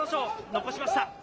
残しました。